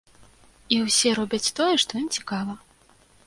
І ўсе робяць тое, што ім цікава.